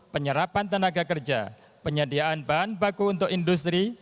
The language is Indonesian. penyerapan tenaga kerja penyediaan bahan baku untuk industri